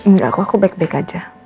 nggak pak aku baik baik aja